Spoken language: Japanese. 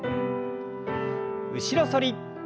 後ろ反り。